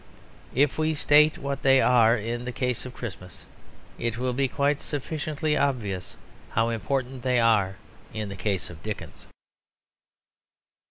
If we state what they are in the case of Christmas, it will be quite sufficiently obvious how important they are in the case of Dickens.